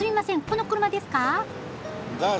この車ですか？